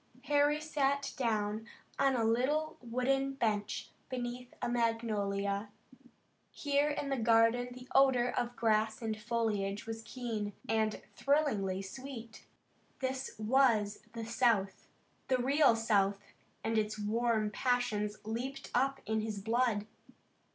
Harry sat down on a little wooden bench beneath a magnolia. Here in the garden the odor of grass and foliage was keen, and thrillingly sweet. This was the South, the real South, and its warm passions leaped up in his blood.